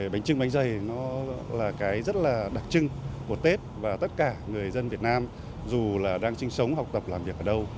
bánh trưng bánh dày nó là cái rất là đặc trưng của tết và tất cả người dân việt nam dù là đang sinh sống học tập làm việc ở đâu